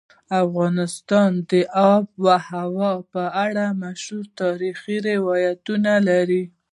افغانستان د آب وهوا په اړه مشهور تاریخی روایتونه لري.